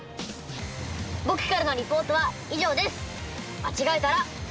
僕からのリポートは以上です。